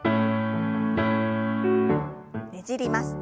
ねじります。